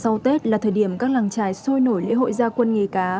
sau tết là thời điểm các làng trài sôi nổi lễ hội gia quân nghề cá